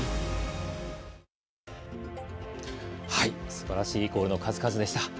すばらしいゴールの数々でした。